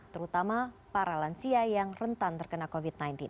terutama para lansia yang rentan terkena covid sembilan belas